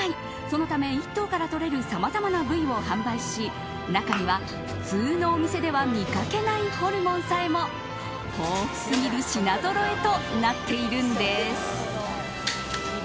そのため、１頭からとれるさまざまな部位を販売し中には普通のお店では見かけないホルモンさえも豊富すぎる品ぞろえとなっているんです。